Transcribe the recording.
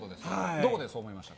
どこでそう思いました？